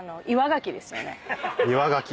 岩牡蠣